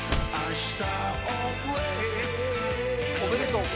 おめでとう。